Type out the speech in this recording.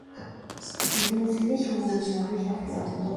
Viazi lishe huimarisha afya ya mgojwa